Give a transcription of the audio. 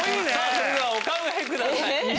それではお考えください。